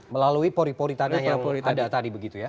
melalui pori pori tanah yang ada tadi begitu ya